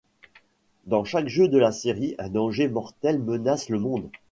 Dans chaque jeu de la série, un danger mortel menace le monde.